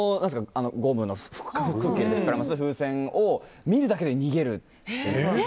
ゴムの空気入れて膨らませる風船を見るだけで逃げるっていう。